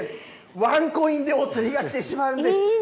ワンコインでお釣りがきてしまうんです。